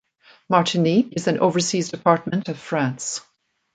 Martinique is an overseas department of France.